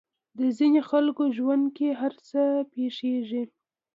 د ځينې خلکو ژوند کې هر څه پېښېږي.